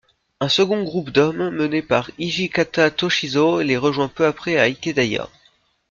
Un second groupe d'hommes menés par Hijikata Toshizo les rejoint peu après à Ikedaya.